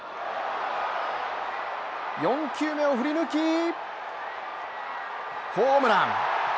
４球目を振り抜き、ホームラン。